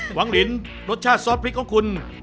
หวังลินรสชาติซอสพริกของคุณ